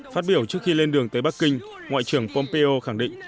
phát biểu trước khi lên đường tới bắc kinh ngoại trưởng pompeo khẳng định